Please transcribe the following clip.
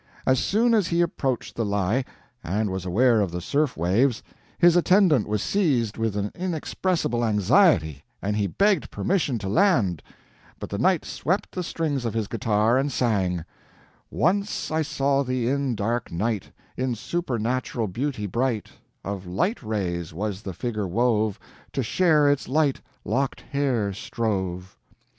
As soon as he approached the Lei, and was aware of the surf waves, his attendant was seized with an inexpressible Anxiety and he begged permission to land; but the Knight swept the strings of his Guitar and sang: "Once I saw thee in dark night, In supernatural Beauty bright; Of Light rays, was the Figure wove, To share its light, locked hair strove.